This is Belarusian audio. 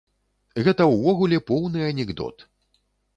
Гэта ўвогуле поўны анекдот.